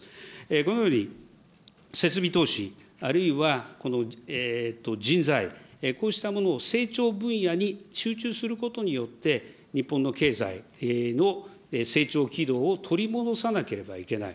このように、設備投資、あるいはこの人材、こうしたものを成長分野に集中することによって、日本の経済の成長軌道を取り戻さなければいけない。